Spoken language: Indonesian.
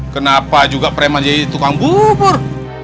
kenapa juga preman jadi tukang bubur